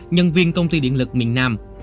nhân viên công ty điện lực miền nam